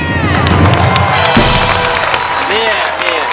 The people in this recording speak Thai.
อินโทรเพลงที่๓มูลค่า๔๐๐๐๐บาทมาเลยครับ